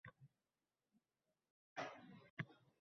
Orzularimdek yuksakda eding.